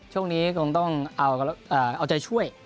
ช่วงนี้ก็ต้องเอาจ่ายช่วย